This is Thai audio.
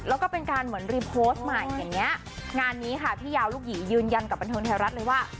แล้วก็เป็นการเหมือนรีโพสต์ใหม่อย่างเงี้ยงานนี้ค่ะพี่ยาวลูกหยียืนยันกับบันเทิงไทยรัฐเลยว่า